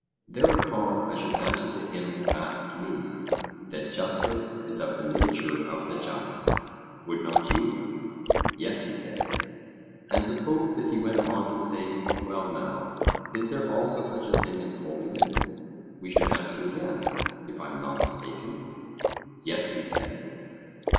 Thereupon I should answer to him who asked me, that justice is of the nature of the just: would not you? Yes, he said. And suppose that he went on to say: 'Well now, is there also such a thing as holiness?' we should answer, 'Yes,' if I am not mistaken? Yes, he said.